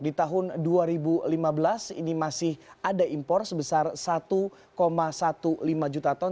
di tahun dua ribu lima belas ini masih ada impor sebesar satu lima belas juta ton